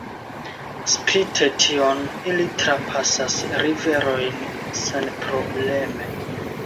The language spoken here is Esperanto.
Spite tion, ili trapasas riverojn senprobleme.